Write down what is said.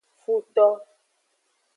Futo.